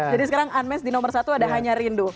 jadi sekarang unmesh di nomor satu ada hanya rindu